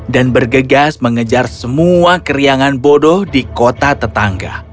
dan bergegas mengejar semua keriangan bodoh di kota tetangga